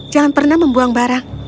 jangan pernah membuang barang